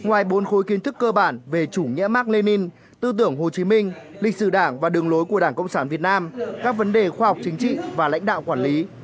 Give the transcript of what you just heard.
ngoài bốn khối kiến thức cơ bản về chủ nghĩa mark lenin tư tưởng hồ chí minh lịch sử đảng và đường lối của đảng cộng sản việt nam các vấn đề khoa học chính trị và lãnh đạo quản lý